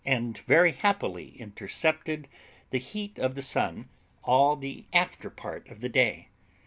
and very happily intercepted the heat of the sun all the after part of the day.